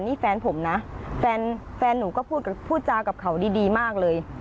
นี่แฟนผมนะแฟนหนูก็พูดจากับเขาดีมากเลย